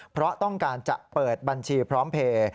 เพราะต้องการจะเปิดบัญชีพร้อมเพลย์